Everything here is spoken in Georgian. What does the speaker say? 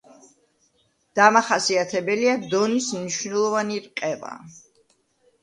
დამახასიათებელია დონის მნიშვნელოვანი რყევა.